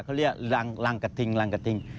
เขาเรียกลางกระทิง